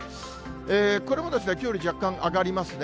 これもきょうより若干上がりますね。